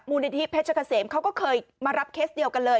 นิธิเพชรเกษมเขาก็เคยมารับเคสเดียวกันเลย